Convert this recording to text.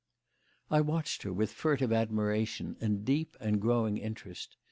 I watched her with furtive admiration and deep and growing interest.